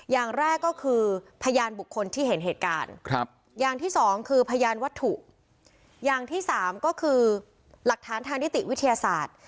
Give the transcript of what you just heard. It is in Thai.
อย่างแรกก็คือพยานบุคคลที่เห็นเหตุการณ์อย่างที่สองคือพยานวัตถุอย่างที่สามก็คือหลักฐานทางนิติวิทยาศาสตร์